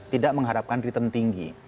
tidak mengharapkan return tinggi